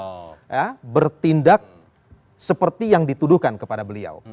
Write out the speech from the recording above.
ya betul pak ahok ini bertindak seperti yang dituduhkan kepada beliau